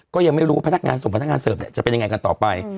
ก็ยังไม่รู้ว่าพนักงานส่งพนักงานเสิร์ฟจะเป็นยังไงกันต่อไป